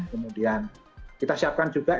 kemudian kita siapkan juga